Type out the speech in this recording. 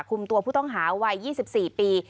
คุมตัวผู้ต้องหาวัย๒๔ปี